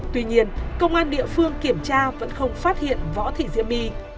tuy nhiên công an địa phương kiểm tra vẫn không phát hiện võ thị diễm my